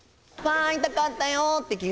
会いたかったよー！ってぎゅ